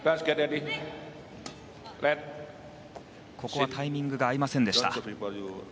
ここはタイミングが合いませんでした。